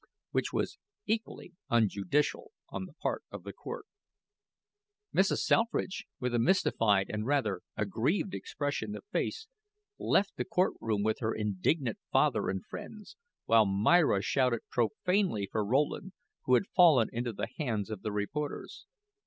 Which was equally unjudicial on the part of the court. Mrs. Selfridge, with a mystified and rather aggrieved expression of face, left the court room with her indignant father and friends, while Myra shouted profanely for Rowland, who had fallen into the hands of the reporters.